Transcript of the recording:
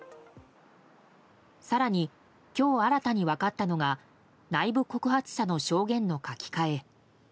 更に、今日新たに分かったのが内部告発者の証言の書き換え。